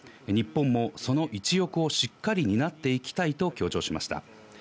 日本もその一翼をしっかり担っていきたいと強調しました。